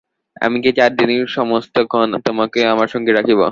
আমি কি চিরদিনই সমস্তক্ষণ তোমাকে আমার সঙ্গে রাখিব?